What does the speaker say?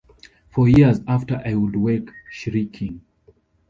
For years after I would wake shrieking.